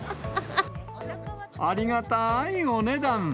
ありがたいお値段。